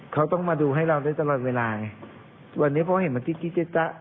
เขาต้องมาดูให้เราได้ตลอดเวลาไงวันนี้พ่อเห็นมันจิ๊ดจิ๊ดจ๊ะ